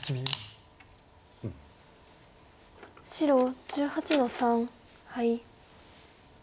白１８の三ハイ。